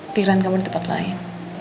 piran kamu di tempat lain